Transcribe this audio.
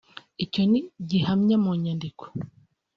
Icyo ni gihamya mu nyandiko